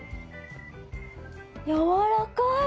やわらかい！